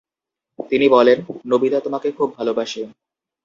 তিনি বলেন, নোবিতা তোমাকে খুব ভালোবাসে।